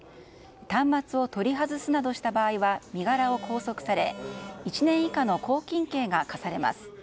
端末を取り外すなどした場合は身柄を拘束され１年以下の拘禁刑が科されます。